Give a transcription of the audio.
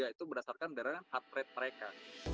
itu berdasarkan dari heart rate mereka